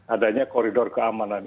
adanya koridor keamanan